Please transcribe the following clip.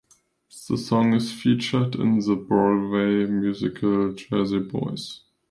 The song is featured in the Broadway musical "Jersey Boys".